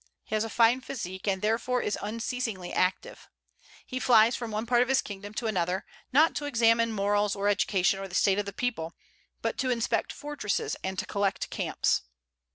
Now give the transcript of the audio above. He has a fine physique, and therefore is unceasingly active. He flies from one part of his kingdom to another, not to examine morals or education or the state of the people, but to inspect fortresses and to collect camps.